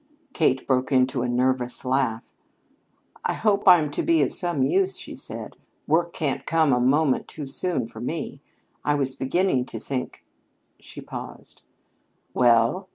Kate broke into a nervous laugh. "I hope I'm to be of some use," she said. "Work can't come a moment too soon for me. I was beginning to think " She paused. "Well?"